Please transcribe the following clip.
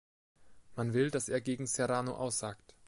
Man will, dass er gegen Serrano aussagt.